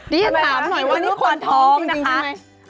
ดิถามหน่อยว่านี่ควรท้องจริงใช่ไหม